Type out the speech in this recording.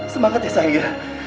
semangat ya sayangnya